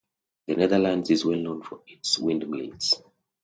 The Netherlands is well known for its windmills.